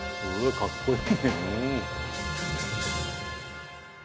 かっこいい。